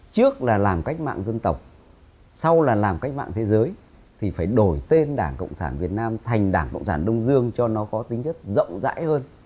trước là làm cách mạng dân tộc sau là làm cách mạng thế giới thì phải đổi tên đảng cộng sản việt nam thành đảng cộng sản đông dương cho nó có tính chất rộng rãi hơn